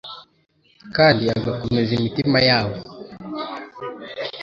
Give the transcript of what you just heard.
kandi agakomeza imitima yabo.